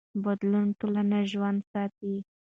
بدلون ټولنې ژوندي ساتي